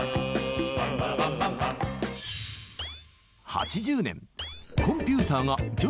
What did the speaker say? ８０年。